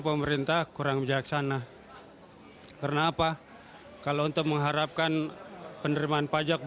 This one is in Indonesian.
servisnya lebih baik